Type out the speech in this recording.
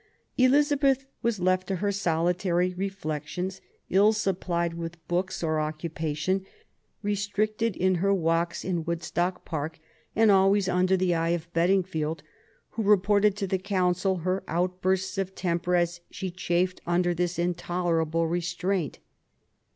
Elizabeth was left to her solitary reflections, ill supplied with books or occupation, restricted in her walks in Woodstock Park, and always under the eye of Bedingfield, who reported to the Council her 32 ' QUEEN ELIZABETH. outbursts of temper as she chafed under this intoler able restraint.